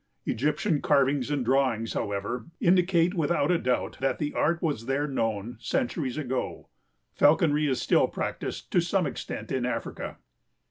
Egyptian carvings and drawings, however, indicate without a doubt that the art was there known centuries ago. Falconry is still practiced to some extent in Africa.